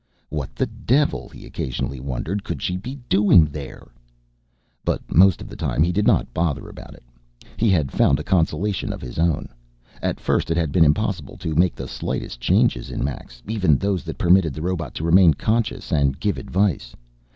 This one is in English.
What the devil, he occasionally wondered, could she be doing there? But most of the time he did not bother about it; he had found a consolation of his own. At first it had been impossible to make the slightest changes in Max, even those that permitted the robot to remain conscious and give advice.